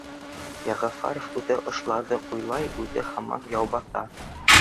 Йәғәфәрова үҙе ошоларҙы уйлай, үҙе һаман Яубаҫа